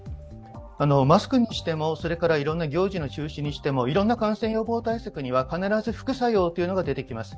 マスクにしても、いろんな行事の中止にしてもいろんな感染予防対策には必ず副作用が出てきます。